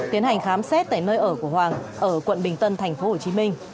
tiến hành khám xét tại nơi ở của hoàng ở quận bình tân thành phố hồ chí minh